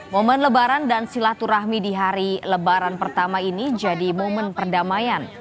momen lebaran dan silaturahmi di hari lebaran pertama ini jadi momen perdamaian